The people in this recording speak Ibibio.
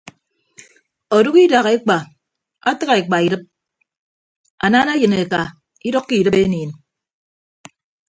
Ọdʌk idak ekpa atịgha ekpa idịp anana eyịn eka idʌkkọ idịp eniin.